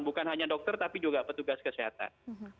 bukan hanya dokter tapi juga petugas kesehatan